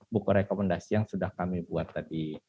buku rekomendasi yang sudah kami buat tadi